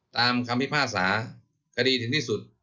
ตามคำพิพาสาคดีถึงที่สุด